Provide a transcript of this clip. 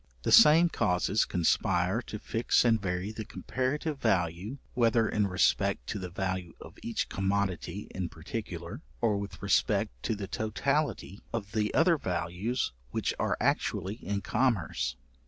The same causes conspire to fix and vary the comparative value, whether in respect to the value of each commodity in particular, or with respect to the totality of the other values which are actually in commerce.